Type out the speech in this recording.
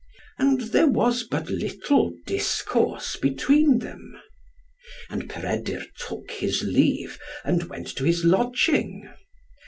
And there was but little discourse between them. And Peredur took his leave, and went to his lodging.